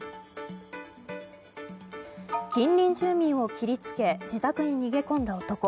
近隣住民を切り付け自宅に逃げ込んだ男。